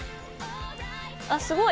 あっすごい！